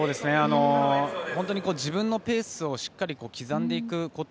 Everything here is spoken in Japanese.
自分のペースをしっかり刻んでいくこと。